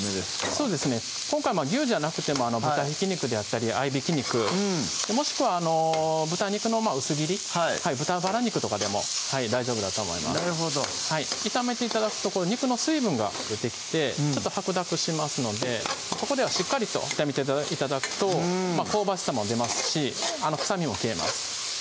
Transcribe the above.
そうですね今回牛じゃなくても豚ひき肉であったり合いびき肉もしくは豚肉の薄切り豚バラ肉とかでも大丈夫だと思います炒めて頂くと肉の水分が出てきて白濁しますのでここではしっかりと炒めて頂くと香ばしさも出ますし臭みも消えます